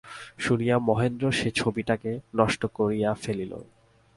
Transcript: শুনিয়া মহেন্দ্র সে ছবিটাকে নষ্ট করিয়া ফেলিল।